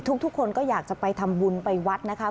ทุกคนก็อยากจะไปทำบุญไปวัดนะคะ